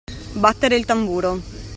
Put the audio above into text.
Battere il tamburo.